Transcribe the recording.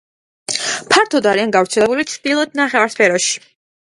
ფართოდ არიან გავრცელებული ჩრდილოეთ ნახევარსფეროში.